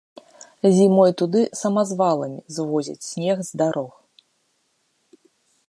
Зімой туды самазваламі звозяць снег з дарог.